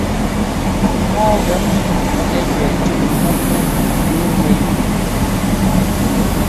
Mɔ́ɔ gɛ pfú nɛgẅɛɛ tʉ́m gúꞌnɛ́ nǔu mɛyúu-pʉɔ.